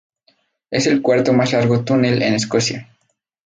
Es el cuarto más largo túnel en Escocia.